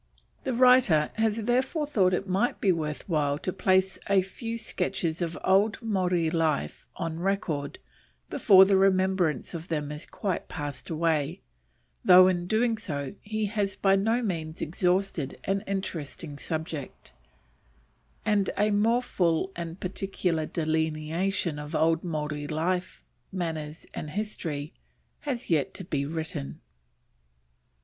The writer has, therefore, thought it might be worth while to place a few sketches of old Maori life on record, before the remembrance of them has quite passed away; though in doing so he has by no means exhausted an interesting subject, and a more full and particular delineation of old Maori life, manners, and history has yet to be written.